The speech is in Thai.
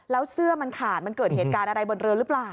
แล้วเสื้อมันขาดมันเกิดเหตุการณ์อะไรบนเรือหรือเปล่า